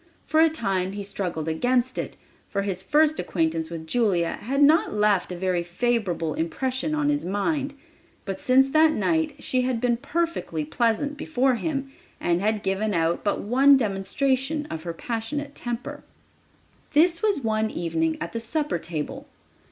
For a time he struggled against it, for his first acquaintance with Julia had not left a very favorable impression on his mind. But since that night she had been perfectly pleasant before him and had given out but one demonstration of her passionate temper. This was one evening at the supper table.